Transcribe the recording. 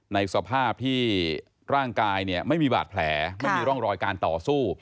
ในสภาพที่ร่างกายเนี่ยไม่มีบาดแผลไม่มีร่องรอยการต่อสู้